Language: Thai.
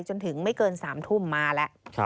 จนถึงไม่เกิน๓ทุ่มมาแล้ว